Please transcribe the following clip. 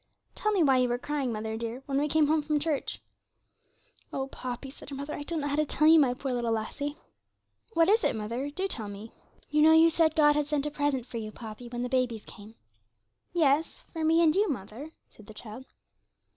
'Tell me why you were crying, mother dear, when we came home from church.' 'Oh, Poppy!' said her mother, 'I don't know how to tell you, my poor little lassie.' 'What is it, mother? Do tell me.' 'You know you said God had sent a present for you, Poppy, when the babies came?' 'Yes for me and you, mother,' said the child.